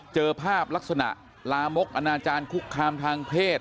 เจอภาพลักษณะลามกอนาจารย์คุกคามทางเพศ